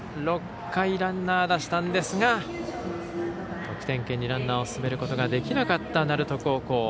６回ランナー出したんですが得点圏にランナーを進めることができなかった鳴門高校。